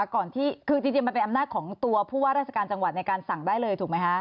ที่คือจริงมันเป็นอำนาจของตัวผู้ว่าราชการจังหวัดในการสั่งได้เลยถูกไหมคะ